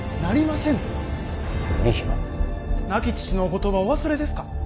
亡き父のお言葉をお忘れですか。